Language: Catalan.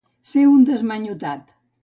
Ser un desmanyotat